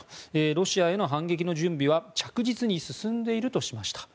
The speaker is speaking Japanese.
ロシアへの反撃の準備は着実に進んでいるとしました。